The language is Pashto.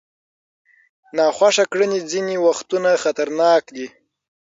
ناخوښه کړنې ځینې وختونه خطرناک دي.